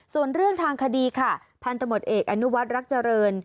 ส่วนเรื่องทางคดีค่ะพันธมตเอกอนุวัฒน์รักเจริญ